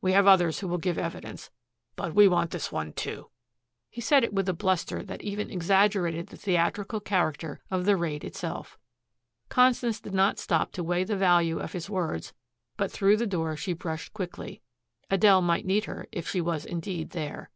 We have others who will give evidence; but we want this one, too." He said it with a bluster that even exaggerated the theatrical character of the raid itself. Constance did not stop to weigh the value of his words, but through the door she brushed quickly. Adele might need her if she was indeed there.